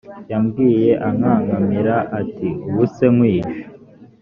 yambwiye ankankamira ati ubu se nkwishe